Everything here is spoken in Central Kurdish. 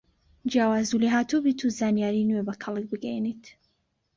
جیاواز و لێهاتووبیت و زانیاری نوێ و بە کەڵک بگەیەنیت